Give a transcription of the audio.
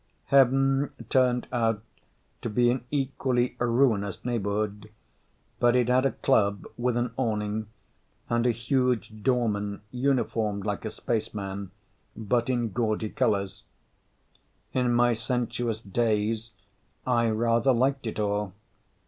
Heaven turned out to be an equally ruinous neighborhood, but it had a club with an awning and a huge doorman uniformed like a spaceman, but in gaudy colors. In my sensuous daze I rather liked it all.